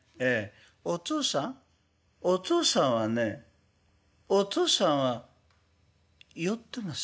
『おとうさんおとうさんはねおとうさんは酔ってますよ』。